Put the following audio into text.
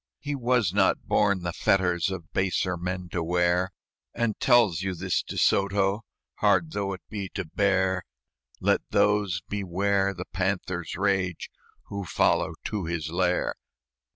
"He was not born the fetters Of baser men to wear, And tells you this, De Soto, Hard though it be to bear Let those beware the panther's rage Who follow to his lair.